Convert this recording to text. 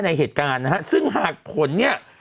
เหตุการณ์นะฮะซึ่งหากผลเนี่ย